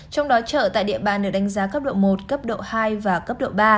trong đó chợ tại địa bàn được đánh giá cấp độ một cấp độ hai và cấp độ ba